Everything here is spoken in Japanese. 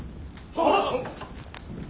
はっ！